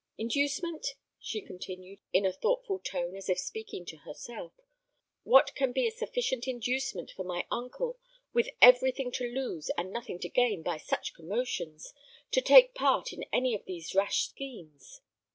Inducement?" she continued, in a thoughtful tone, as if speaking to herself; "what can be a sufficient inducement for my uncle, with everything to lose and nothing to gain by such commotions, to take part in any of these rash schemes?"